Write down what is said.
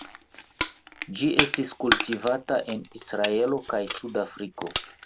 Ĝi estis kultivata en Israelo kaj Sudafriko.